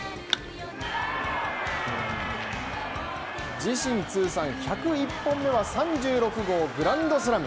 自身通算１０１本目は３６号グランドスラム。